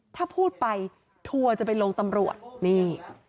ถ้าพูดไปทัวร์จะไปลงตำรวจนี่